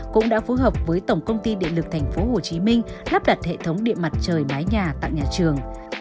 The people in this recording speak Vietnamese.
cũng đã phối hợp với tổng công ty điện lực tp hcm lắp đặt hệ thống điện mặt trời mái nhà tặng nhà trường